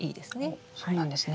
おっそうなんですね。